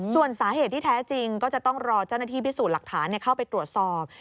ส่วนสาเหตุที่แท้จริงก็จะต้องรอเจ้าหน้าที่พิสูจน์หลักฐานเข้าไปตรวจสอบ